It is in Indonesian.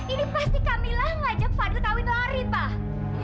ini pasti kamilah ngajak fadil tawit lari pak